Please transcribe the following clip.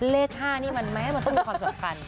เลข๕นี่มันแม้มันต้องมีความสำคัญ